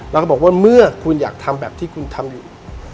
แล้วก็บอกว่าเมื่อคุณอยากทำแบบที่คุณทำอยู่